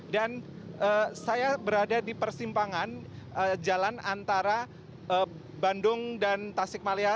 dan saya berada di persimpangan jalan antara bandung dan tasik malaya